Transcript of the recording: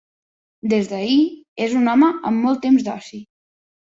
Des d'ahir, és un home amb molt temps d'oci.